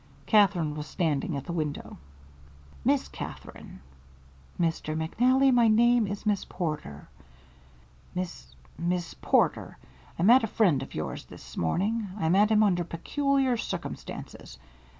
Katherine was standing at the window. "Miss Katherine " "Mr. McNally, my name is Miss Porter." "Miss Miss Porter, I met a friend of yours this morning. I met him under peculiar circumstances.